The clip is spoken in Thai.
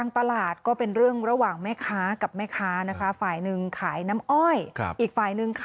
จุดสิทธิ์การและคุณคุณ